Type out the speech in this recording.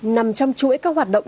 nằm trong chuỗi các hoạt động